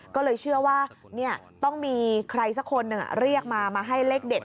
ก็เลยเชื่อว่าต้องมีใครสักคนหนึ่งเรียกมามาให้เลขเด็ด